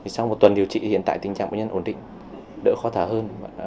sau một tuần điều trị hiện tại tình trạng bệnh nhân ổn định đỡ khó thở hơn